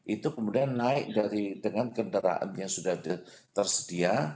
itu kemudian naik dengan kendaraan yang sudah tersedia